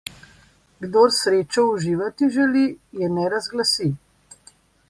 Kdor srečo uživati želi, je ne razglasi.